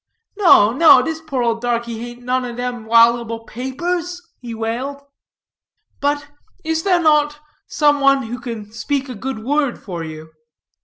"No, no, dis poor ole darkie haint none o' dem waloable papers," he wailed. "But is there not some one who can speak a good word for you?"